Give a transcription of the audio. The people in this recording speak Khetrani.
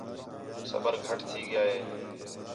صبر گَھٹ تھی ڳِیا ہِے